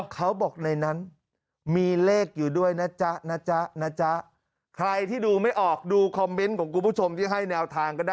เขาบอกในนั้นมีเลขอยู่ด้วยนะจ๊ะนะจ๊ะนะจ๊ะ